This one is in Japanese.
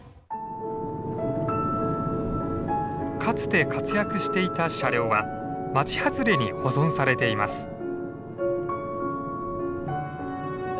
かつて活躍していた車両は町外れに保存されています。